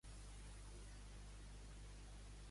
Montserrat Senserrich és una artista nascuda a Barcelona.